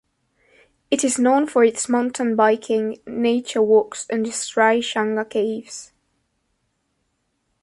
It is known for its mountain biking, nature walks, and the Sri Jangha caves.